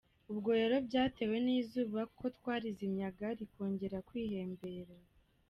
Ubwo rero byatewe n’izuba kuko twarizimyaga rikongera kwihembera.